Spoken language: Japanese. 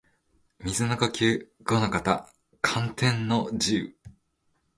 水の呼吸伍ノ型干天の慈雨（ごのかたかんてんのじう）